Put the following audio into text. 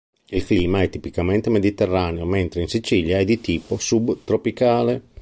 Il clima è tipicamente mediterraneo, mentre in Sicilia è di tipo subtropicale.